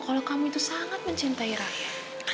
kalau kamu itu sangat mencintai rakyat